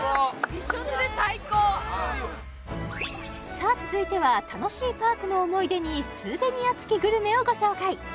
びしょ濡れ最高さあ続いては楽しいパークの思い出にスーベニア付きグルメをご紹介